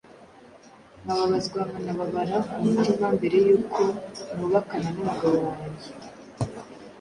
nkababazwa nkanababara ku mutima mbere y’uko nubakana n’umugabo wanjye